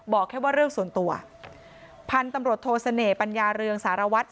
บอกแค่ว่าเรื่องส่วนตัวพันธุ์ตำรวจโทเสน่หัญญาเรืองสารวัตร